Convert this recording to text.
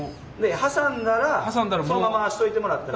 挟んだらそのまましといてもらったら。